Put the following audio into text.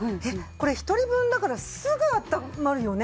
これ一人分だからすぐあったまるよね。